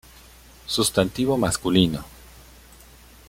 Sustantivo masculino.